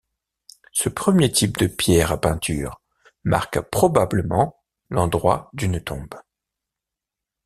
Ce premier type de pierre à peintures marque probablement l'endroit d'une tombe.